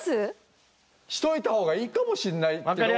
しといた方がいいかもしんないけど。